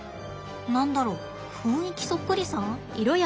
何だろ雰囲気そっくりさん？